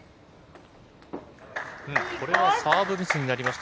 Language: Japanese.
これはサーブミスになりました。